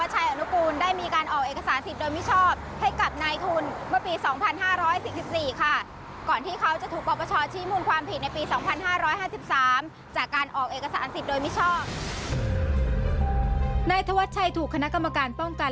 นายธวัชชัยถูกคณะกรรมการป้องกัน